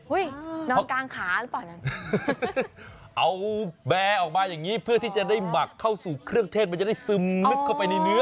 นอนกลางขาหรือเปล่านั้นเอาแบร์ออกมาอย่างนี้เพื่อที่จะได้หมักเข้าสู่เครื่องเทศมันจะได้ซึมลึกเข้าไปในเนื้อ